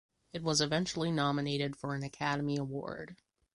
It was eventually nominated for an Academy Award.